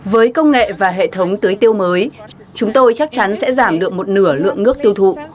với công nghệ và hệ thống tưới tiêu mới chúng tôi chắc chắn sẽ giảm được một nửa lượng nước tiêu thụ